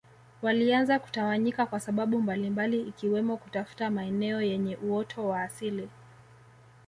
Walianza kutawanyika kwa sababu mbalimbali ikiwemo kutafuta maeneo yenye uoto wa asili